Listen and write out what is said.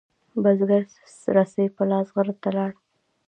بزگر رسۍ په لاس غره ته لاړ.